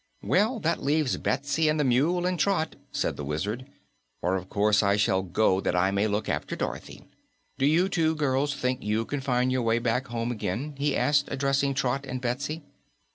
"Well, that will leave Betsy and the Mule and Trot," said the Wizard, "for of course I shall go that I may look after Dorothy. Do you two girls think you can find your way back home again?" he asked, addressing Trot and Betsy.